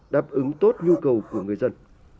đáp ứng tốt nhu cầu của người dân